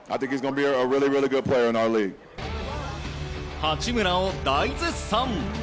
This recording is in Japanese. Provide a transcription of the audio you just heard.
八村を大絶賛！